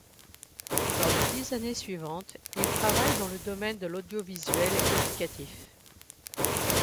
Dans les dix années suivantes, il travaille dans le domaine de l'audio-visuel éducatif.